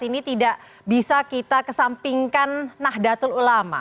ini tidak bisa kita kesampingkan nahdlatul ulama